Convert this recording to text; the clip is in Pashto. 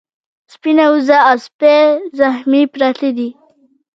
سپينه وزه او سپی زخمي پراته دي.